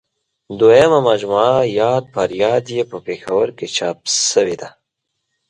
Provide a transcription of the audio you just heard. دویمه مجموعه یاد فریاد یې په پېښور کې چاپ شوې ده.